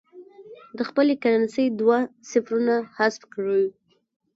د خپلې کرنسۍ دوه صفرونه حذف کړي.